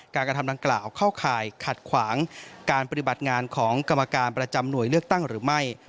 กระทำดังกล่าวเข้าข่ายขัดขวางการปฏิบัติงานของกรรมการประจำหน่วยเลือกตั้งหรือไม่